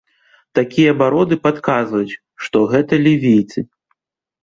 Такія бароды падказваюць, што гэта лівійцы.